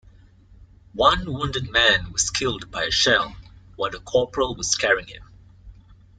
One wounded man was killed by a shell while the corporal was carrying him.